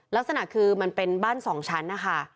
ลักษณะคือมันเป็นบ้าน๒ชั้นนะคะ